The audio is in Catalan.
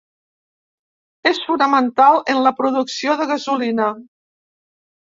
És fonamental en la producció de gasolina.